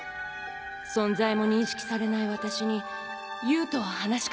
存在も認識されない私に優人は話し掛けてくれた。